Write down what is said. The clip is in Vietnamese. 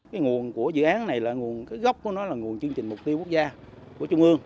cái nguồn của dự án này là nguồn cái gốc của nó là nguồn chương trình mục tiêu quốc gia của trung ương